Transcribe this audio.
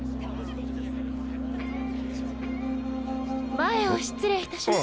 前を失礼いたします。